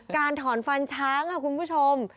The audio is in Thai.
การถอนฟันช้างค่ะคุณผู้ชม